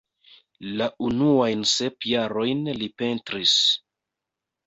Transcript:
La unuajn sep jarojn li pentris.